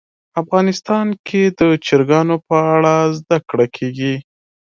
افغانستان کې د چرګان په اړه زده کړه کېږي.